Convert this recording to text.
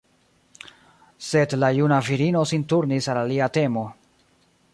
Sed la juna virino sin turnis al alia temo.